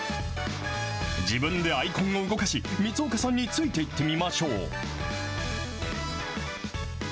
自分でアイコンを動かし、光岡さんについていってみましょう。